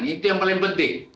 itu yang paling penting